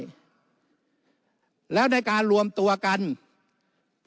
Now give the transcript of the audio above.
วุฒิสภาจะเขียนไว้ในข้อที่๓๐